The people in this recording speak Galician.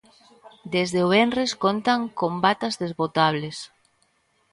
Desde o venres contan con batas desbotables.